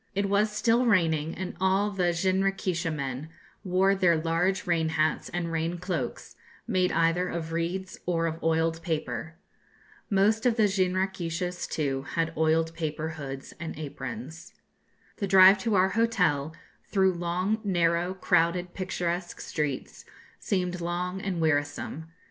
It was still raining, and all the jinrikisha men wore their large rain hats and rain cloaks, made either of reeds or of oiled paper. Most of the jinrikishas, too, had oiled paper hoods and aprons. The drive to our hotel, through long, narrow, crowded, picturesque streets, seemed long and wearisome.